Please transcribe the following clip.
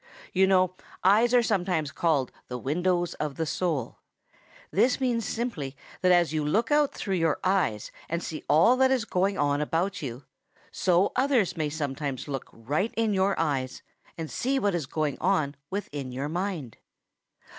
You know eyes are sometimes called the windows of the soul. This means simply that as you look out through your eyes and see all that is going on about you, so others may sometimes look right in your eyes and see what is going on within your mind.